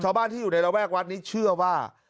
ชาวบ้านที่อยู่ในระแวกวัดนี้เชื่อว่า